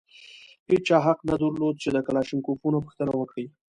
هېچا حق نه درلود چې د کلاشینکوفونو پوښتنه وکړي.